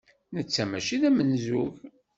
Netta maci d amenzug.